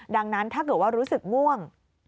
ดังนั้นถ้าเกิดว่ารู้สึกง่วง